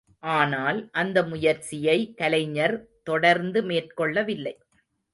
ஆனால், அந்த முயற்சியை கலைஞர் தொடர்ந்து மேற்கொள்ளவில்லை.